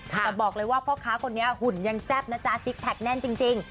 แต่บอกเลยว่าพ่อค้าคนนี้หุ่นยังแซ่บนะจ๊ะซิกแพคแน่นจริง